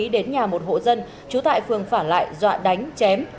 đến nhà một hộ dân trú tại phường phả lại dọa đánh chém